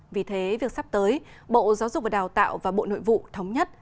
vì thế việc sắp tới bộ giáo dục và đào tạo và bộ nội vụ thống nhất